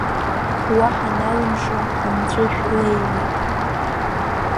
Уаҳа налымшо амҵәышә леиуеит.